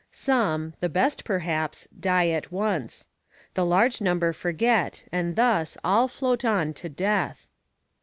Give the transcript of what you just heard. Some, the best perhaps, die at once. The large number forget, and thus, all float on to death.